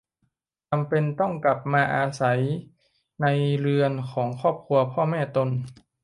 จำเป็นต้องกลับมาอยู่อาศัยในเรือนของครอบครัวพ่อแม่ตน